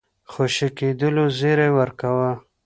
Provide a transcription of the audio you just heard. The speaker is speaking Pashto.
خوشي کېدلو زېری ورکاوه.